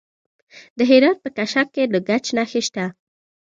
د هرات په کشک کې د ګچ نښې شته.